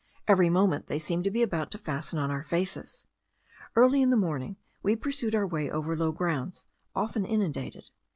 Every moment they seemed to be about to fasten on our faces. Early in the morning we pursued our way over low grounds, often inundated.